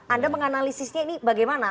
anda menganalisisnya ini bagaimana